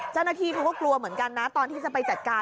เจ้าหน้าที่เขาก็กลัวเหมือนกันนะตอนที่จะไปจัดการ